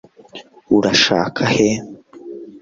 urashaka he